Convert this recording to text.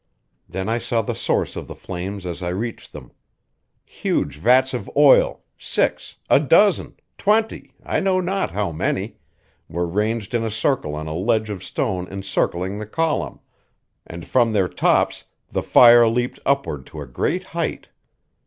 Then I saw the source of the flames as I reached them. Huge vats of oil six, a dozen, twenty I know not how many were ranged in a circle on a ledge of stone encircling the column, and from their tops the fire leaped upward to a great height.